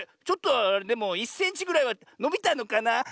ちょっとはでも１センチぐらいはのびたのかな。